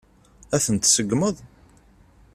Ad tent-tseggmeḍ?